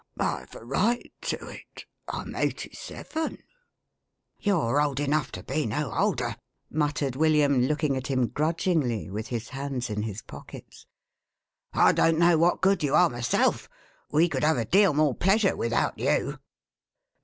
I've a right to it ! I'm eighty seven !" "YouVe old enough to be no older,11 muttered William, looking at him grudgingly, with his hands in his pockets. " I don't know what good you are, myself. AVe could have a deal more pleasure without you.""